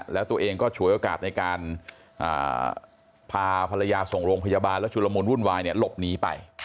แล้วตัวเองก็ฉวยโอกาสในการพาภรรยาส่งโรงพยาบาลแล้วชุลมุนวุ่นวายหลบหนีไป